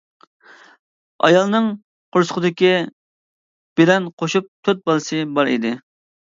ئايالنىڭ قورسىقىدىكى بىلەن قوشۇپ تۆت بالىسى بار ئىدى.